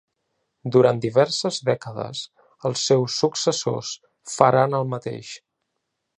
Durant diverses dècades, els seus successors faran el mateix.